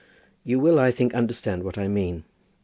You will, I think, understand what I mean.